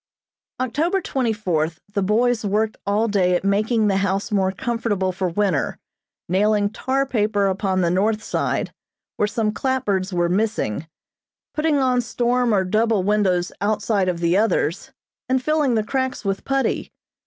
October twenty fourth the boys worked all day at making the house more comfortable for winter, nailing tar paper upon the north side, where some clapboards were missing, putting on storm or double windows outside of the others, and filling the cracks with putty.